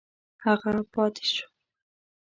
هغه پاته شو.